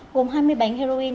gồm hai mươi bánh heroin